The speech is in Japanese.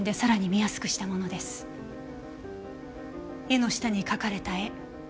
絵の下に描かれた絵。